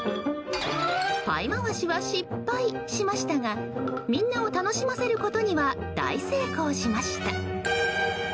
パイ回しは失敗しましたがみんなを楽しませることには大成功しました。